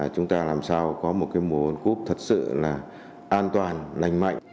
chúng ta làm sao có một mùa world cup thật sự an toàn lành mạnh